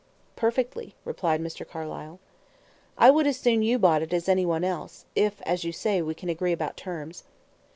"Perfectly," replied Mr. Carlyle. "I would as soon you bought it as anyone else, if, as you say, we can agree about terms."